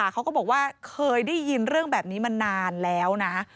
เขาก็บอกว่าเคยได้ยินเรื่องแบบนี้มานานแล้วนะ